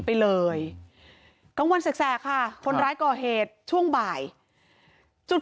ไปเลยกลางวันแสกค่ะคนร้ายก่อเหตุช่วงบ่ายจุด